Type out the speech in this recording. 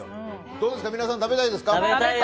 どうですか、皆さん食べたいですか？